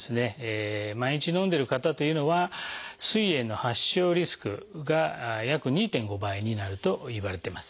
毎日飲んでる方というのはすい炎の発症リスクが約２．５倍になるといわれてます。